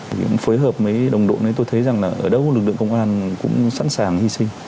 thì cũng phối hợp với đồng đội tôi thấy rằng là ở đâu lực lượng công an cũng sẵn sàng hy sinh